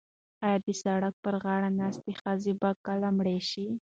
ایا د سړک پر غاړه ناسته ښځه به کله مړه شي؟